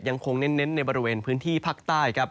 ยังคงเน้นในบริเวณพื้นที่ภาคใต้ครับ